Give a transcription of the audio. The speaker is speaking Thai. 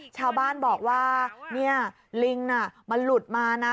ชาวบ้านบอกว่าเนี่ยลิงน่ะมันหลุดมานะ